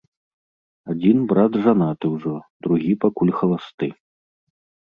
Адзін брат жанаты ўжо, другі пакуль халасты.